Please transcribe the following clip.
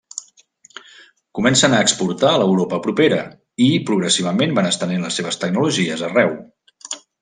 Comencen a exportar a l'Europa propera, i progressivament van estenent les seves tecnologies arreu.